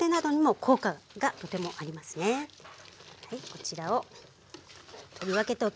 こちらを取り分けておきます。